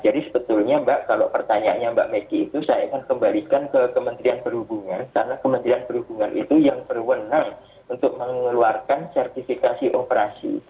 jadi sebetulnya mbak kalau pertanyaannya mbak mekki itu saya akan kembalikan ke kementerian perhubungan karena kementerian perhubungan itu yang berwenang untuk mengeluarkan sertifikasi operasi